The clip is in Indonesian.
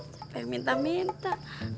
eh eh eh minta minta